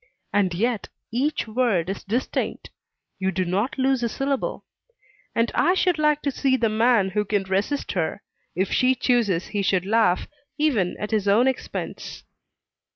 And yet each word is distinct; you do not lose a syllable. And I should like to see the man who can resist her, if she chooses he should laugh, even at his own expense.